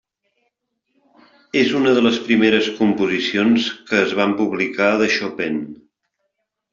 És una de les primeres composicions que es van publicar de Chopin.